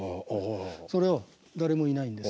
それを誰もいないんです。